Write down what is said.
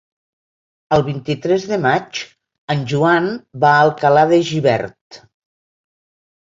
El vint-i-tres de maig en Joan va a Alcalà de Xivert.